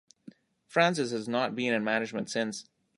Francis has not been in management since.